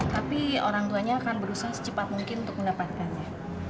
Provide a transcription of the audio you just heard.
tapi orang tuanya akan berusaha secepat mungkin untuk mendapatkannya